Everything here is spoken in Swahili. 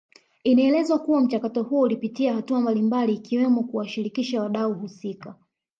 Inaelezwa kuwa mchakato huo utapitia hatua mbalimbali ikiwemo kuwashirikisha wadau husika